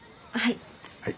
はい。